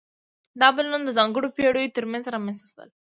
دا بدلونونه د ځانګړو پیړیو ترمنځ رامنځته شول.